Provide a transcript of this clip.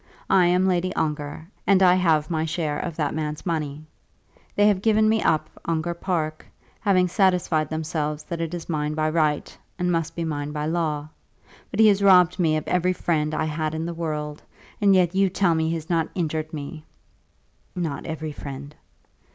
I am Lady Ongar, and I have my share of that man's money. They have given me up Ongar Park, having satisfied themselves that it is mine by right, and must be mine by law. But he has robbed me of every friend I had in the world, and yet you tell me he has not injured me!" "Not every friend."